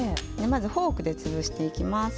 まずフォークでつぶしていきます。